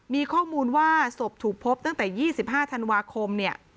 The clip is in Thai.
มีข้อมูลว่าศพถูกพบตั้งแต่๒๕ธันวาคมเนี่ย